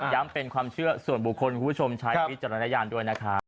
เป็นความเชื่อส่วนบุคคลคุณผู้ชมใช้วิจารณญาณด้วยนะครับ